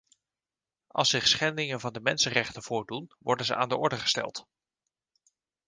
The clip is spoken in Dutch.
Als zich schendingen van de mensenrechten voordoen, worden ze aan de orde gesteld.